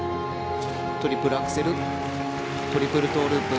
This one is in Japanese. トリプルアクセルトリプルトウループ。